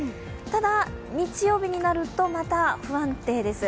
ただ、日曜日になるとまた不安定です。